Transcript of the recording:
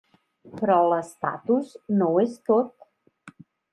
Però l'estatus no ho és tot.